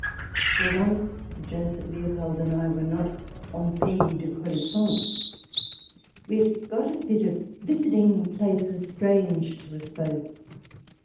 For once Joseph Leopold and I were not " en pays de connais sance." We had got a fit of visiting places strange to us both.